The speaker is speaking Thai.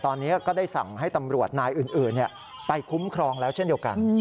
ตอนนี้ก็ได้สั่งให้ตำรวจนายอื่นไปคุ้มครองแล้วเช่นเดียวกัน